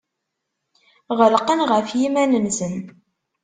Ɣelqen ɣef yiman-nsen.